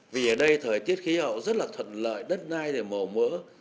vì ở đây thời tiết khí hậu rất là thuận lợi đất nai thì màu mỡ